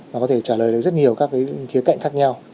và có thể trả lời được rất nhiều các cái khía cạnh khác nhau